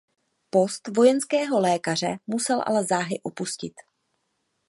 Post vojenského lékaře musel ale záhy opustit.